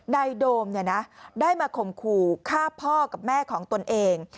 โดมได้มาข่มขู่ฆ่าพ่อกับแม่ของตนเอง